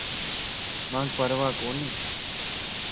مانک پرواه ڪوني